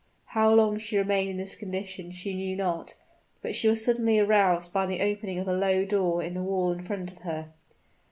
How long she remained in this condition she knew not; but she was suddenly aroused by the opening of a low door in the wall in front of her.